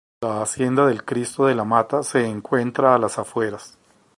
La Hacienda del Cristo de la Mata se encuentra a las afueras.